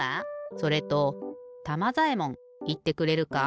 それとたまざえもんいってくれるか？